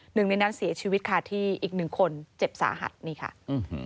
หนึ่งในนั้นเสียชีวิตค่ะที่อีกหนึ่งคนเจ็บสาหัสนี่ค่ะอืม